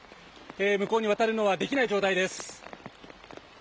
向こうに渡るのはできない状態です。